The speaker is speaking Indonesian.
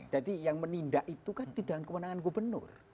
jadi yang menindak itu kan di dalam kewenangan gubernur